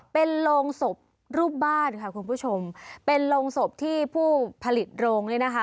เป็นโรงศพรูปบ้านค่ะคุณผู้ชมเป็นโรงศพที่ผู้ผลิตโรงเนี่ยนะคะ